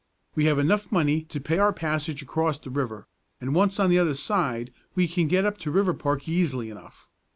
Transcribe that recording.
We have enough money to pay our passage across the river, and once on the other side we can get up to Riverpark easily enough.